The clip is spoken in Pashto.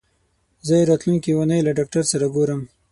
زه راتلونکې اونۍ له ډاکټر سره ګورم.